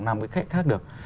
làm cái khác được